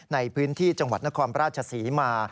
ในพื้นที่จังหวัดนครราชศรีมา